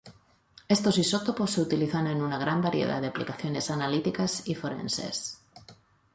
Estos isótopos se utilizan en una gran variedad de aplicaciones analíticas y forenses.